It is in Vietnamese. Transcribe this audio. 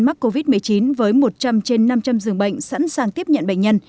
mắc covid một mươi chín với một trăm linh trên năm trăm linh giường bệnh sẵn sàng tiếp nhận bệnh nhân